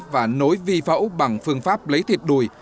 và nối vi phẫu bằng phương pháp lấy thịt đùi